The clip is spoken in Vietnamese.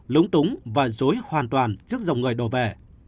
lúng túng và dối hoàn toàn trước dòng người đồ vệ